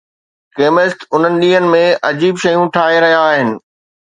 chemist انهن ڏينهن ۾ عجيب شيون ٺاهي رهيا آهن